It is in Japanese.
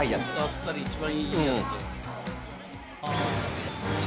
あっさり一番いいやつ。